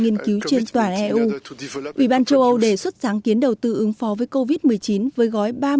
nghiên cứu trên toàn eu ủy ban châu âu đề xuất sáng kiến đầu tư ứng phó với covid một mươi chín với gói ba mươi